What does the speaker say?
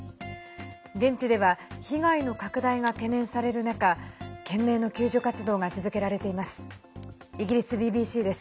現地では被害の拡大が懸念される中懸命の救助活動が続けられています。